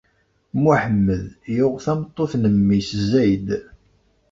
Muḥemmed yuɣ tameṭṭut n mmi-s Zayd!